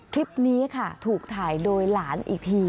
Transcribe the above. คลิปนี้ค่ะถูกถ่ายโดยหลานอีกที